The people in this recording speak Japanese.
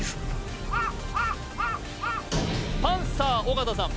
パンサー尾形さん